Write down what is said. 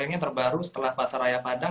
ini yang terbaru setelah pasaraya padang